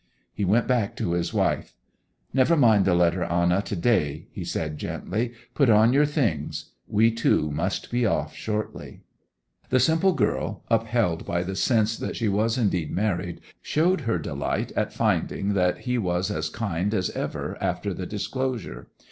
He went back to his wife. 'Never mind the letter, Anna, to day,' he said gently. 'Put on your things. We, too, must be off shortly.' The simple girl, upheld by the sense that she was indeed married, showed her delight at finding that he was as kind as ever after the disclosure.